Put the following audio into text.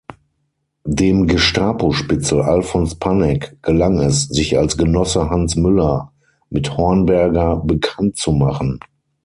Dem Gestapo-Spitzel Alfons Pannek gelang es, sich als „Genosse Hans Müller“ mit Hornberger bekanntzumachen.